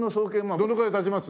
どのくらい経ちます？